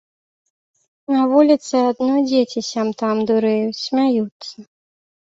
На вуліцы адно дзеці сям-там дурэюць, смяюцца.